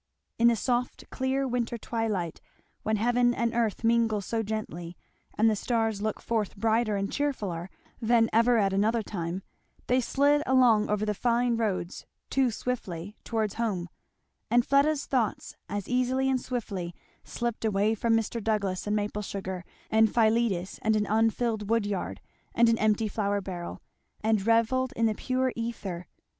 In the soft clear winter twilight when heaven and earth mingle so gently, and the stars look forth brighter and cheerfuller than ever at another time, they slid along over the fine roads, too swiftly, towards home; and Fleda's thoughts as easily and swiftly slipped away from Mr. Douglass and maple sugar and Philetus and an unfilled wood yard and an empty flour barrel, and revelled in the pure ether.